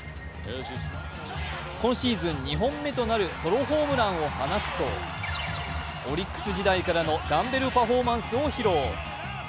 今シーズン２本目となるソロホームランを放つとオリックス時代からのダンベルパフォーマンスを披露。